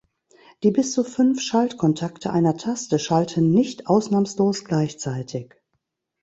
Die bis zu fünf Schaltkontakte einer Taste schalten nicht ausnahmslos gleichzeitig.